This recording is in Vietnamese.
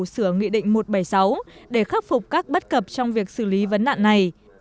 sửa nghị định một trăm bảy mươi sáu để khắc phục các bất cập trong việc xử lý vấn nạn này